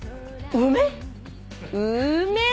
梅？